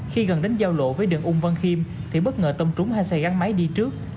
khi gần đến giao lộ với đường ung văn khiêm thì bất ngờ tông trúng hai xe gắn máy đi trước